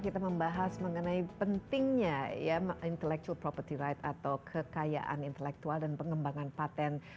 kita membahas mengenai pentingnya intellectual property right atau kekayaan intelektual dan pengembangan patent